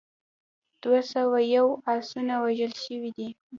دوه سوه یو اسونه وژل شوي دي.